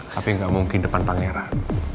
tapi nggak mungkin depan pangeran